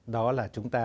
đó là chúng ta